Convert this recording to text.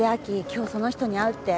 今日その人に会うって？